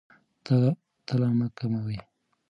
تله مه کموئ.